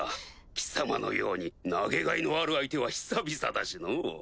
貴様のように投げがいのある相手は久々だしのぅ。